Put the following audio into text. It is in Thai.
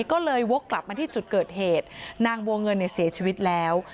ก็เลยวกกลับมาที่จุดเกิดเหตุนางบัวเงินเนี่ยเสียชีวิตแล้ว